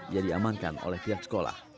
ia diamankan oleh pihak sekolah